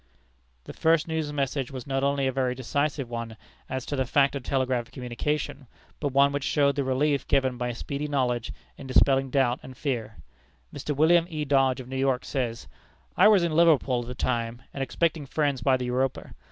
This first news message was not only a very decisive one as to the fact of telegraphic communication, but one which showed the relief given by speedy knowledge in dispelling doubt and fear. Mr. William E. Dodge, of New York, says: "I was in Liverpool at the time, and expecting friends by the Europa.